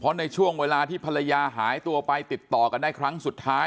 ในช่วงเวลาที่ภรรยาหายตัวไปติดต่อกันได้ครั้งสุดท้าย